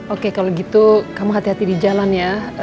oke kalau gitu kamu hati hati di jalan ya